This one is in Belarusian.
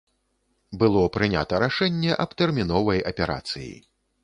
Было прынята рашэнне аб тэрміновай аперацыі.